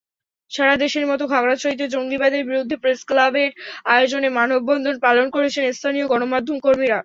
সারা দেশের মতো খাগড়াছড়িতে জঙ্গিবাদের বিরুদ্ধে প্রেসক্লাবের আয়োজনে মানববন্ধন পালন করেছেন স্থানীয় গণমাধ্যমকর্মীরা।